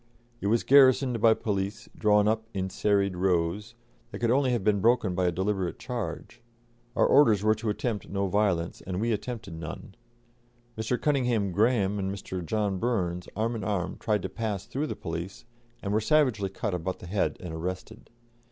It was garrisoned by police, drawn up in serried rows, that could only have been broken by a deliberate charge. Our orders were to attempt no violence, and we attempted none. Mr. Cunninghame Graham and Mr. John Burns, arm in arm, tried to pass through the police, and were savagely cut about the head and arrested.